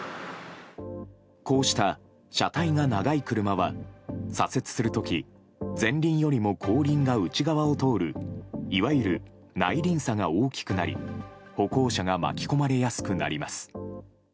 こうした車体が長い車は左折する時前輪よりも後輪が内側を通るいわゆる内輪差が大きくなり歩行者が巻き込まれやすくなります。